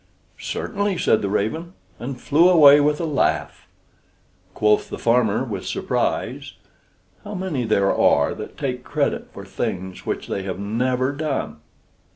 "Certainly," said the raven, and flew away with a laugh. Quoth the farmer with surprise, "How many there are that take credit for things which they have never done!"